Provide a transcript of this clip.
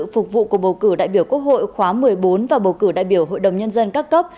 phục vụ cuộc bầu cử đại biểu quốc hội khóa một mươi bốn và bầu cử đại biểu hội đồng nhân dân các cấp